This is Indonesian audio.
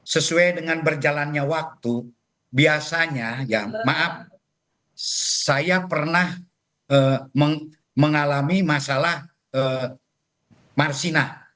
sesuai dengan berjalannya waktu biasanya ya maaf saya pernah mengalami masalah marsina